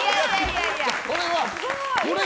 これは？